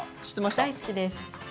大好きです。